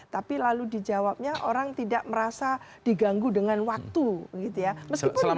tapi lalu dijawabnya orang tidak merasa diganggu dengan waktu gitu ya